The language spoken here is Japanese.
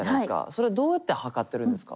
それどうやって測ってるんですか？